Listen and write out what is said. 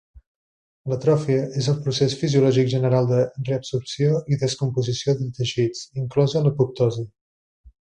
L'atròfia és el procés fisiològic general de reabsorció i descomposició de teixits, inclosa l'apoptosi.